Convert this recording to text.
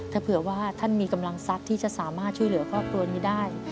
ถ้าเผื่อว่าท่านมีกำลังทรัพย์ที่จะสามารถช่วยเหลือครอบครัวนี้ได้